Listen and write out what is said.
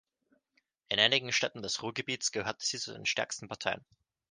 In einigen Städten des Ruhrgebiets gehörte sie zu den stärksten Parteien.